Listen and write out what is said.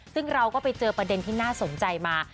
ซึ่งเราก็ไปเจอประเด็นที่น่าสนใจมา